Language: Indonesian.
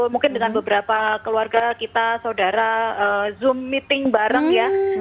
mungkin dengan beberapa keluarga kita saudara zoom meeting bareng ya